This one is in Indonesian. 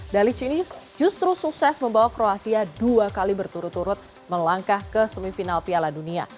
dalic ini justru sukses membawa kroasia dua kali berturut turut melangkah ke semifinal piala dunia